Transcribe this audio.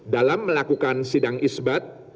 dalam melakukan sidang isbat